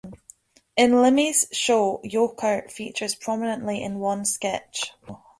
In Limmy's Show Yoker features prominently in one sketch.